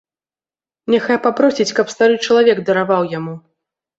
Няхай папросіць, каб стары чалавек дараваў яму.